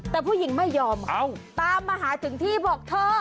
แต่ผู้หญิงไม่ยอมตามมาหาถึงที่บอกเธอ